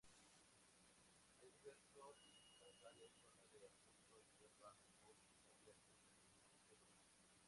Es diverso: brezales, zonas de arbusto y hierba, bosques abiertos, incluso dunas.